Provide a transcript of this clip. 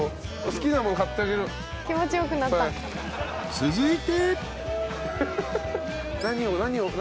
［続いて］